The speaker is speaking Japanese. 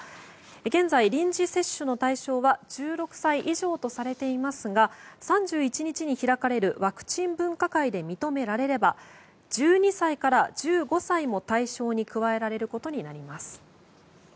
現在、臨時接種の対象は１６歳以上とされていますが３１日に開かれるワクチン分科会で認められれば１２歳から１５歳も対象に加えられることになります。